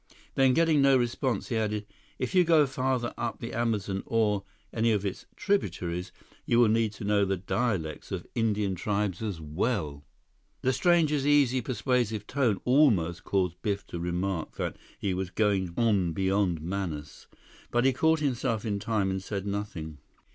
Then, getting no response, he added, "If you go farther up the Amazon or any of its tributaries, you will need to know the dialects of Indian tribes as well." The stranger's easy, persuasive tone almost caused Biff to remark that he was going on beyond Manaus. But he caught himself in time and said nothing.